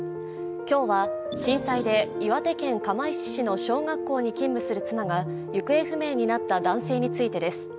今日は震災で岩手県釜石市の小学校に勤務する妻が行方不明になった男性についてです。